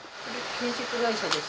建設会社です。